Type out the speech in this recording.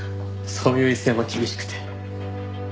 そういう一線は厳しくて。